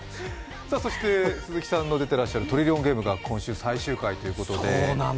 そして、鈴木さんの出てらっしゃる「トリリオンゲーム」が今週最終回ということで。